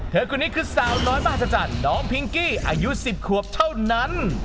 คนนี้คือสาวน้อยมหัศจรรย์น้องพิงกี้อายุ๑๐ขวบเท่านั้น